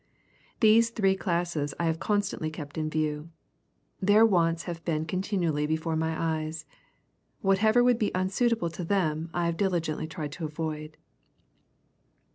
These three classes I have constantly kept in view. Their wants have been con tinually before my eyes. Whatever would be unsuitable to them I have diligently tried to avoid.